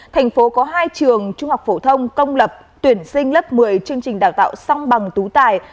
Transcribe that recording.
thành phố có hai trường trung học phổ thông công lập tuyển sinh lớp một mươi chương trình đào tạo song bằng tú tài